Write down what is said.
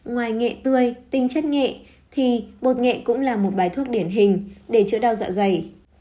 ngoài nghệ tươi tinh chất nghệ thì bột nghệ cũng là một bài thuốc điển hình để chữa đau dạ dày